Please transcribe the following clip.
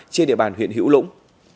trên địa bàn huyện hữu lũng